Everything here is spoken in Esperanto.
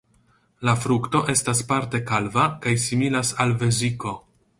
La frukto estas parte kalva kaj similas al veziko.